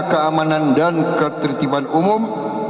keamanan dan ketertiban umum